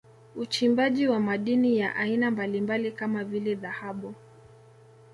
Uchimbaji wa madini ya aina mbalimbali kama vile Dhahabu